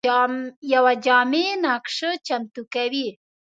یوه جامع نقشه چمتو کوي.